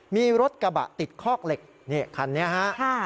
มีรถกระบะติดคอกเหล็กนี่คันนี้ฮะ